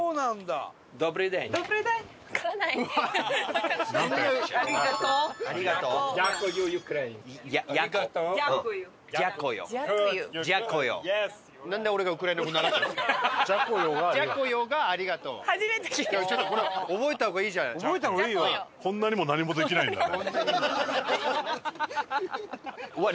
富澤：こんなにも何もできないんだね。